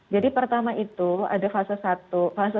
jadi pertama itu ada fase satu